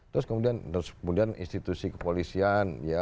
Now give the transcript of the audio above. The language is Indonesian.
terus kemudian institusi kepolisian